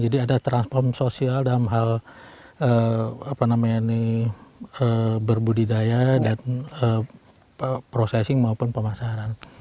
jadi ada transformasi sosial dalam hal berbudidaya dan processing maupun pemasaran